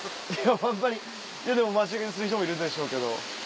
ホントにでも待ち受けにする人もいるでしょうけど。